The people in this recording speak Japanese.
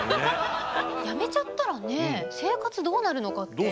辞めちゃったらね生活どうなるのかって。